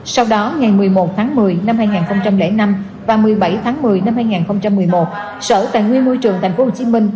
sau đó ngày một mươi một tháng một mươi năm hai nghìn năm và một mươi bảy tháng một mươi năm hai nghìn một mươi một sở tài nguyên môi trường tp hcm